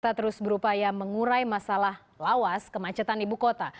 kita terus berupaya mengurai masalah lawas kemacetan ibu kota